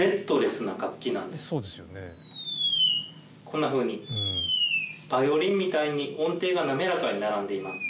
こんなふうにバイオリンみたいに音程が滑らかに並んでいます。